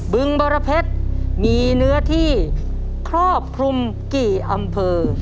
บึงบรเพชรมีเนื้อที่ครอบคลุมกี่อำเภอ